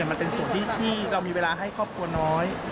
มันเป็นส่วนที่เรามีเวลาให้ครอบครัวน้อย